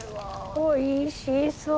おいしそう。